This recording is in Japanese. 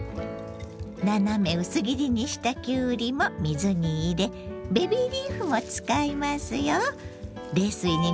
斜め薄切りにしたきゅうりも水に入れベビーリーフも使いますよ。